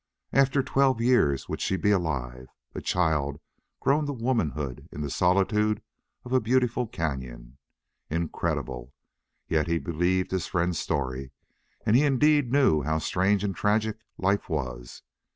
After twelve years would she be alive, a child grown to womanhood in the solitude of a beautiful cañon? Incredible! Yet he believed his friend's story and he indeed knew how strange and tragic life was.